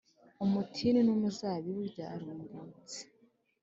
umutini n’umuzabibu byarumbutse.